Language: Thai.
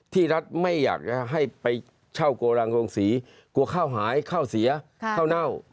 ที่รัฐไม่อยากให้ไปเช่ากระดังลงสีกลัวข้าวหายข้าวเสียข้าวเน่า